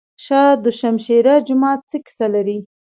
شاه دوشمشیره جومات څه کیسه لري؟